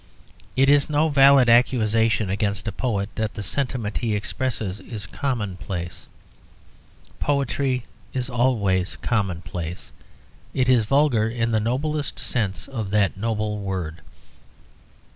It is no valid accusation against a poet that the sentiment he expresses is commonplace. Poetry is always commonplace; it is vulgar in the noblest sense of that noble word.